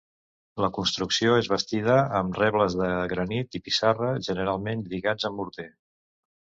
La construcció és bastida amb rebles de granit i pissarra, generalment lligats amb morter.